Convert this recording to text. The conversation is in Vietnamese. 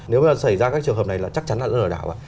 nếu mà xảy ra các trường hợp này là chắc chắn là lỡ đảo